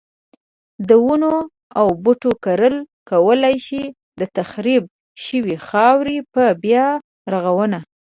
د ونو او بوټو کرل کولای شي د تخریب شوی خاورې په بیا رغونه.